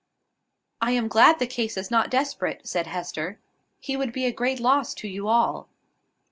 "I am glad the case is not desperate," said Hester. "He would be a great loss to you all."